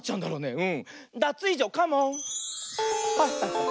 うん。